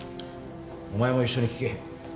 お前も一緒に聞け。